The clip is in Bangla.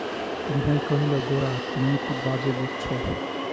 বিনয় কহিল, গোরা, তুমি কী বাজে বকছ!